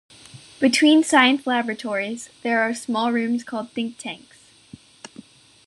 Between science laboratories, there are small rooms called think-tanks.